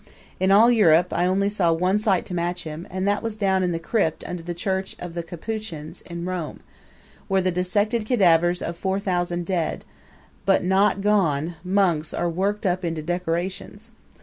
In all Europe I only saw one sight to match him, and that was down in the crypt under the Church of the Capuchins, in Rome, where the dissected cadavers of four thousand dead but not gone monks are worked up into decorations.